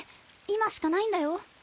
今しかないんだよ。